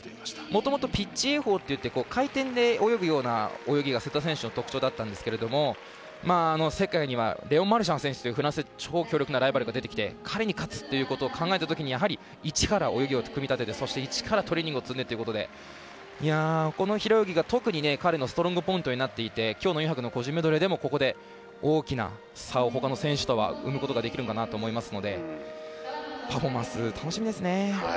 もともとピッチ泳法っていって回転で泳ぐような方法が瀬戸選手の特徴だったんですけれども世界にはレオン・マルシャン選手というフランスの超強力な選手が出てきて彼に勝つっていうことを考えたときに一から泳ぎを組み立てて一からトレーニングを積んでというところでこの平泳ぎが特に彼のストロングポイントになっていて今日の４００の個人メドレーでも大きな差を出すことができるのでパフォーマンス、楽しみですね。